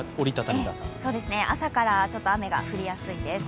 朝から雨が降りやすいです。